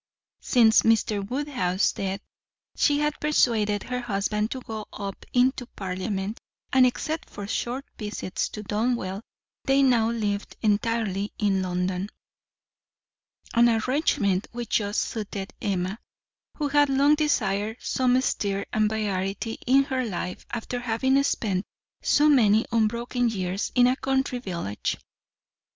Since Mr. Woodhouse's death she had persuaded her husband to go into Parliament, and except for short visits to Donwell, they now lived entirely in London an arrangement which just suited Emma, who had long desired some stir and variety in her life, after having spent so many unbroken years in a country village.